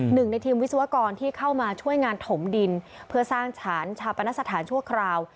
หนึ่งในทีมวิศวกรที่เข้ามาช่วยงานถมดินเพื่อสร้างฉานชาปนสถานชั่วคราว